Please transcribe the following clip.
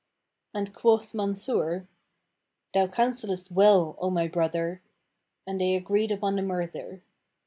And quoth Mansur, "Thou counsellest well, O my brother," and they agreed upon the murther.